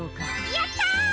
やった！